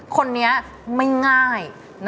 คนนี้ไม่ง่าย